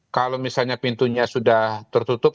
kalau misalnya pintunya sudah tertutup